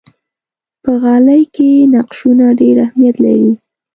په غالۍ کې نقشونه ډېر اهمیت لري.